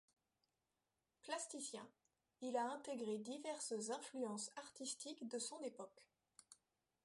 Plasticien, il a intégré diverses influences artistiques de son époque.